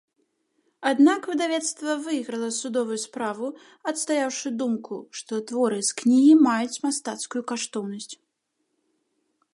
Аднак выдавецтва выйграла судовую справу, адстаяўшы думку, што творы з кнігі маюць мастацкую каштоўнасць.